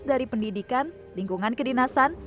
dari pendidikan lingkungan kedinasan